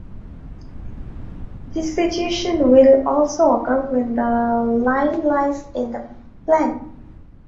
This situation will also occur when the line lies in the plane.